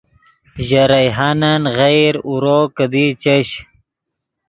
ژے ریحانن غیر اورو کیدی چش